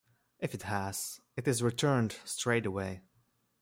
If it has, it is returned straight away.